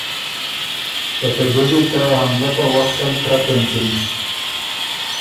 که ته جزی ته حمله په وخت ال ترپ اېنچِن